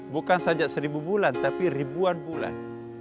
bukan saja seribu bulan tapi ribuan bulan